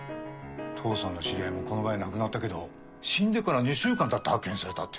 父さんの知り合いもこの前亡くなったけど死んでから２週間たって発見されたって。